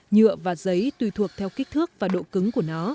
nhựa và giấy tùy thuộc theo kích thước và độ cứng của nó